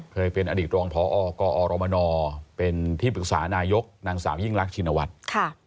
เคยเป็นอดีตรองพอกอรมนเป็นที่ปรึกษานายกนางสาวยิ่งรักชินวัฒน์